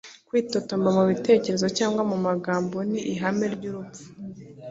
Kwitotomba mu bitekerezo cyangwa mu magambo ni ihame ry’urupfu